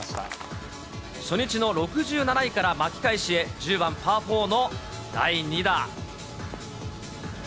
初日の６７位から巻き返しへ、１０番パー４の第２打。